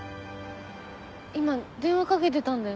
今電話かけてたんだよ。